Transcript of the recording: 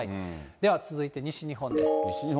では続いて西日本です。